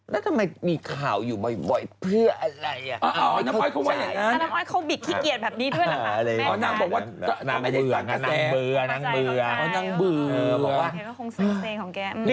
แล้วทำไมมีข่าวอยู่บ่อยเพื่ออะไร